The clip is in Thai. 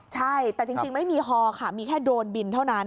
ใช่แต่จริงไม่มีฮอค่ะมีแค่โดรนบินเท่านั้น